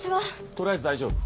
取りあえず大丈夫。